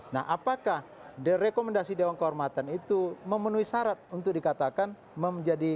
nah apakah rekomendasi dewan kehormatan itu memenuhi syarat untuk dikatakan menjadi